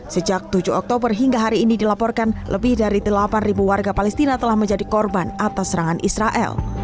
sejak tujuh oktober hingga hari ini dilaporkan lebih dari delapan warga palestina telah menjadi korban atas serangan israel